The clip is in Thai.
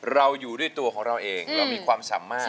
เราอยู่ด้วยตัวของเราเองเรามีความสามารถ